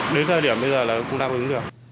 đến thời điểm bây giờ là không đáp ứng được